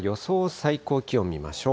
最高気温見ましょう。